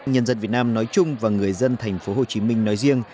nhân dân việt nam nói chung và người dân tp hcm nói riêng